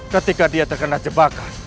ketika dia terkena jebakan